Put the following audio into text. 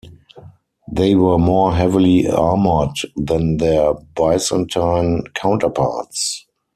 They were more heavily armoured than their Byzantine counterparts.